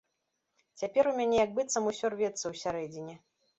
Цяпер у мяне як быццам усё рвецца ўсярэдзіне.